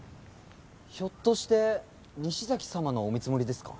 ひょっとして西崎様のお見積もりですか？